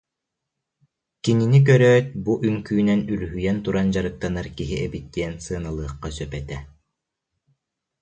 Кинини көрөөт, бу үҥкүүнэн үлүһүйэн туран дьарыктанар киһи эбит диэн сыаналыахха сөп этэ